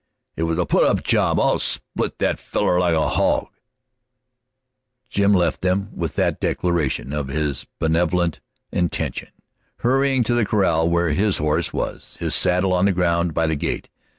"It was a put up job! I'll split that feller like a hog!" Jim left them with that declaration of his benevolent intention, hurrying to the corral where his horse was, his saddle on the ground by the gate.